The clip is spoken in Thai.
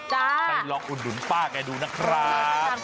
ไปลองอุดหนุนป้าแกดูนะครับ